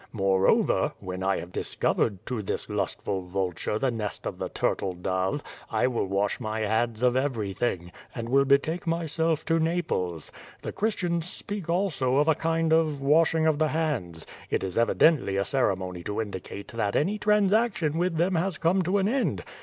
Moreover, , when I have discovered to this lustful vulture the nest of the turtle dove, I will wash my QUO VADIS. 151 hands of everything, and will betake myself to Naples. The Christians speak also of a kind of washing of the hands. It is evidently a ceremony to indicate that any transaction with them has come to end.